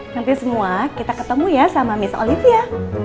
hampir semua kita ketemu ya sama miss olivia